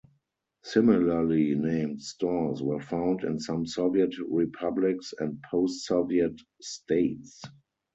Similarly-named stores were found in some Soviet republics and post-Soviet states.